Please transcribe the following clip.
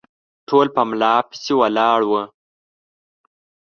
ټول په ملا پسې ولاړ وه